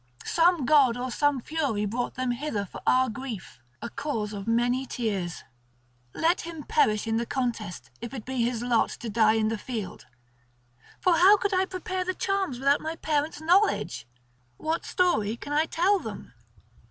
Some god or some Fury brought them hither for our grief, a cause of many tears. Let him perish in the contest if it be his lot to die in the field. For how could I prepare the charms without my parents' knowledge? What story call I tell them?